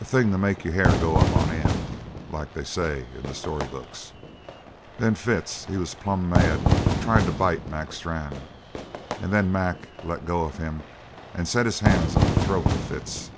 A thing to make your hair go up on end, like they say in the story books. "Then Fitz he was plumb mad tried to bite Mac Strann. And then Mac let go of him and set his hands on the throat of Fitz.